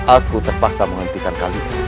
aku terpaksa menghentikan kalian